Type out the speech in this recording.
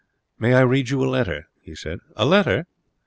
'May I read you a letter?' he said. 'A letter?'